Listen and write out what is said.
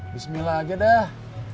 bismillah aja dah